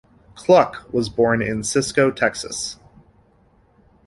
Cluck was born in Cisco, Texas.